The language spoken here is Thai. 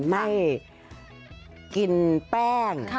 ไม่กินแป้ง